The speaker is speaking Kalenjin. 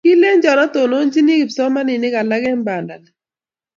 Kolenjon atononchi kipsomaninik alak eng bandani